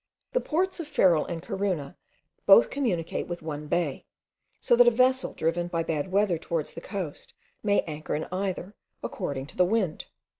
The ports of Ferrol and Corunna both communicate with one bay, so that a vessel driven by bad weather towards the coast may anchor in either, according to the wind.